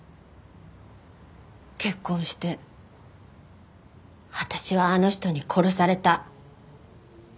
結婚して私はあの人に殺された。